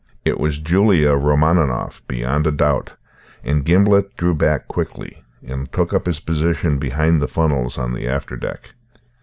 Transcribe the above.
It was Julia Romaninov beyond a doubt, and Gimblet drew back quickly and took up his position behind the funnels on the after deck.